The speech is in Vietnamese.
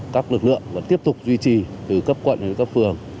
các lực lượng vẫn tiếp tục duy trì từ cấp quận đến cấp phường